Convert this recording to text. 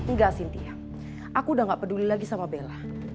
nggak sintia aku udah nggak peduli lagi sama bella